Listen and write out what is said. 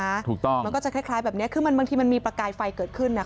มันก็จะคล้ายแบบนี้คือบางทีมันมีประกายไฟเกิดขึ้น